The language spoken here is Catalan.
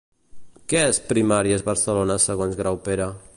Què és Primàries Barcelona segons Graupera?